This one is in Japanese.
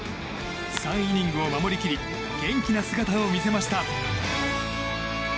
３イニングを守り切り元気な姿を見せました。